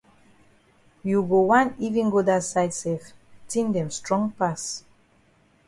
You go wan even go dat side sef tin dem strong pass.